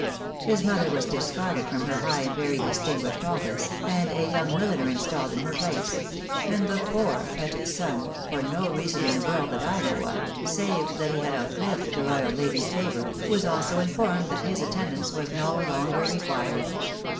His mother was discarded from her high and very distin guished office, and a young milliner installed in her place ; and the poor petted son, for no reason in the world that I know of, save 30 THE BAEKABYS IN AMERICA that he had outlived the royal lady's favoTir, was also informed that his attendance was no longer required.